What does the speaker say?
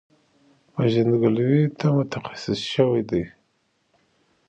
پېژنګلو ته مختص شوی دی،